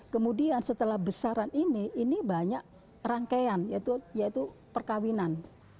kemudian setelah besaran ini ini banyak rangkaian yaitu perkawinan